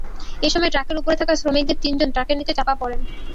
এ সময় ট্রাকের ওপরে থাকা শ্রমিকদের তিনজন ট্রাকের নিচে চাপা পড়েন।